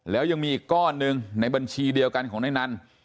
แล้วยังมีอีกก้อนหนึ่งในบัญชีเดียวกันของนายนัน